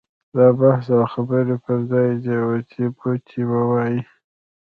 د بحث او خبرو پر ځای دې اوتې بوتې ووایي.